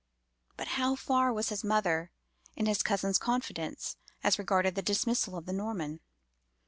But how far was his mother in his cousin's confidence as regarded the dismissal of the Norman?